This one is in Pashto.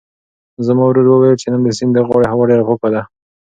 زما ورور وویل چې نن د سیند د غاړې هوا ډېره پاکه ده.